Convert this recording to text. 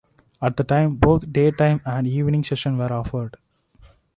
At the time, both daytime and evening sessions were offered.